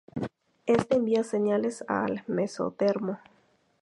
Este envía señales al mesodermo.